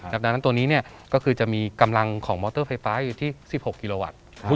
ดังนั้นตัวนี้ก็คือจะมีกำลังของมอเตอร์ไฟฟ้าอยู่ที่๑๖กิโลวัตต์